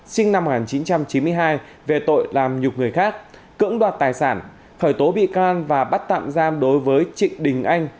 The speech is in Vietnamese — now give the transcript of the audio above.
sinh năm một nghìn chín trăm chín mươi hai về tội làm nhục người khác cưỡng đoạt tài sản khởi tố bị can và bắt tạm giam đối với trịnh đình anh